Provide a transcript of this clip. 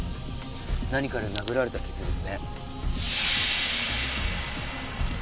何かで殴られた傷ですね。